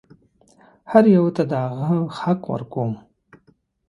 هر یوه ته د هغه حق ورکوم.